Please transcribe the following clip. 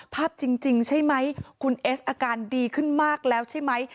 ภาพจริงใช่ไหมคุณเอสอาการดีขึ้นมากแล้วใช่ไหม